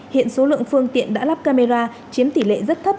hiện số lượng phương tiện đã lắp camera chiếm tỷ lệ rất thấp